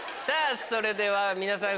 それでは皆さん